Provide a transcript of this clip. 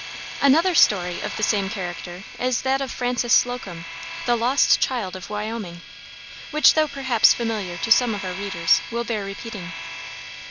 Another story of the same character is that of Frances Slocum, the "Lost child of Wyoming," which though perhaps familiar to some of our readers, will bear repeating.